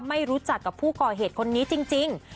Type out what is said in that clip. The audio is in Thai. ไม่รู้จักกับผู้ก่อเหตุคนนี้จริง